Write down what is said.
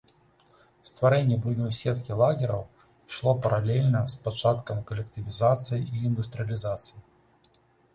Стварэнне буйной сеткі лагераў ішло паралельна з пачаткам калектывізацыі і індустрыялізацыі.